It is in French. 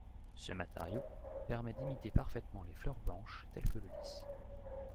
Ce matériau permet d'imiter parfaitement les fleurs blanches tel que le lis.